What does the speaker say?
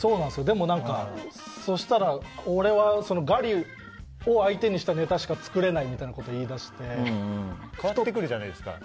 でも、そうしたら俺はガリを相手にしたネタしか作れないみたいなこと変わってくるじゃないですか。